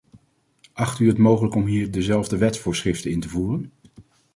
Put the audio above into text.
Acht u het mogelijk om hier dezelfde wetsvoorschriften in te voeren?